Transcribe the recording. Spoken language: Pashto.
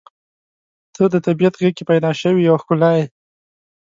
• ته د طبیعت غېږ کې پیدا شوې یوه ښکلا یې.